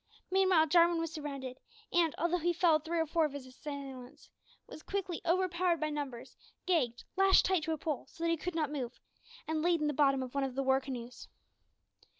Meanwhile, Jarwin was surrounded, and, although he felled three or four of his assailants, was quickly overpowered by numbers, gagged, lashed tight to a pole, so that he could not move, and laid in the bottom of one of the war canoes.